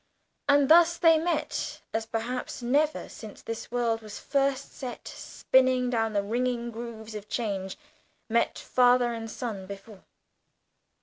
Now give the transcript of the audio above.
And thus they met, as perhaps never, since this world was first set spinning down the ringing grooves of change, met father and son before!